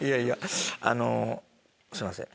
あのすいません。